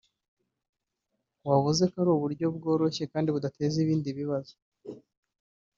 wavuze ko yasanze ari uburyo bworoshye kandi budateza ibindi bibazo